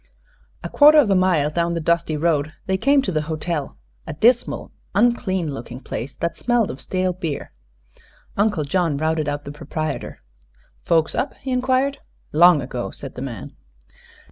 A quarter of a mile down the dusty road they came to the hotel, a dismal, unclean looking place that smelled of stale beer. Uncle John routed out the proprietor. "Folks up?" he inquired. "Long ago," said the man.